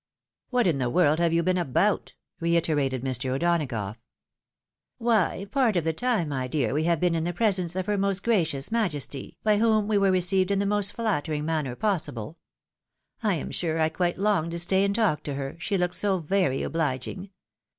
" What in the world have you been about ?" reiterated Mr. O'Donagough. •' Wny, part of the time, my dear, we have been in the presence oft Her Most Gracious Majesty, by whom we were received in the most flattering manner possible. I am sure I quite longed to stay and talk to her, she looked so very obliging.